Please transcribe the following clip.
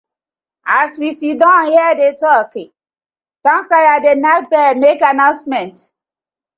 As we siddon here dey tok, towncrier dey nack bell mak annoucement.